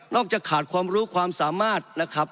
จะขาดความรู้ความสามารถนะครับ